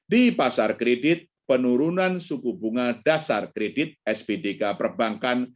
di pasar kredit penurunan suku bunga dasar kredit spdk perbankan